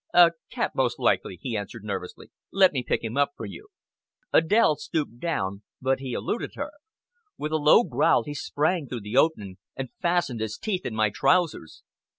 "A cat most likely," he answered nervously. "Let me pick him up for you." Adèle stooped down, but he eluded her. With a low growl he sprang through the opening, and fastened his teeth in my trousers.